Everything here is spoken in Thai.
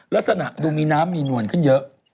ลักษณะดูมีน้ำมีนวลขึ้นเยอะ